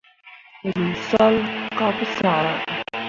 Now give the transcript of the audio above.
Ruu salle kah pu sã ah.